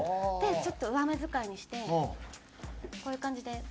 でちょっと上目遣いにしてこういう感じで。